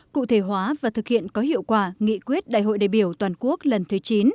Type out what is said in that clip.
cụ thể hóa và thực hiện có hiệu quả nghị quyết đại hội đại biểu toàn quốc lần thứ chín